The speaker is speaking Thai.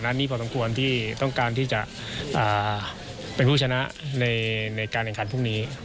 นี้พอสมควรที่ต้องการที่จะเป็นผู้ชนะในการแข่งขันพรุ่งนี้